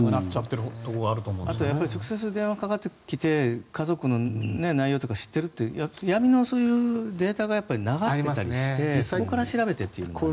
直接電話かかってきて家族の内容とかを知っていると闇のそういうデータが流れたりしてそこから調べてということですか。